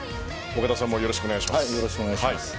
岡田さんもよろしくお願いします。